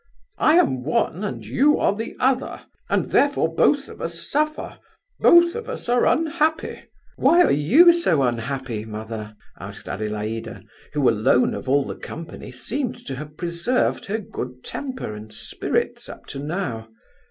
I am one and you are the other, and therefore both of us suffer, both of us are unhappy." "Why are you so unhappy, mother?" asked Adelaida, who alone of all the company seemed to have preserved her good temper and spirits up to now.